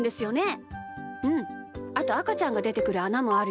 あとあかちゃんがでてくるあなもあるよ。